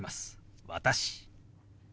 「私」。